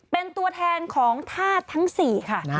เป็นตัวแทนของธาตุทั้ง๔ค่ะ